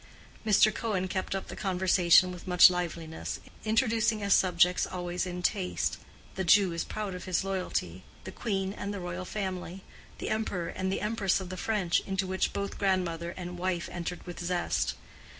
Mr. Cohen kept up the conversation with much liveliness, introducing as subjects always in taste (the Jew is proud of his loyalty) the Queen and the Royal Family, the Emperor and Empress of the French—into which both grandmother and wife entered with zest.